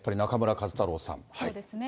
そうですね。